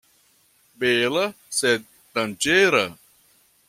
Bela, sed danĝera.